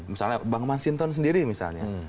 misalnya bang masinton sendiri misalnya